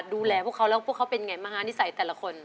ดูแลพวกเขาแล้วพวกเขาเป็นไงมหานิสัยแต่ละคน